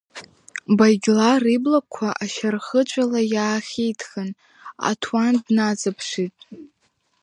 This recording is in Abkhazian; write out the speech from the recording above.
Багьлар иблақәа ашьа рхыҵәала иаахитхын, аҭуан днаҵаԥшит.